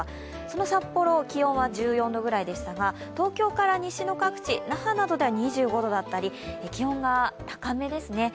その札幌、気温は１４度くらいでしたが、東京から西の各地、那覇などでは２５度だったり気温が高めですね。